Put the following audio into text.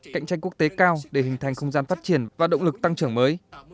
cạnh tranh quốc tế cao để hình thành không gian phát triển và động lực tăng trưởng mới